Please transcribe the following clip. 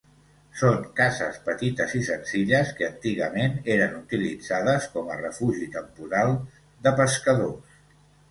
Són cases petites i senzilles que antigament eren utilitzades com a refugi temporal de pescadors.